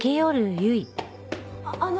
あの。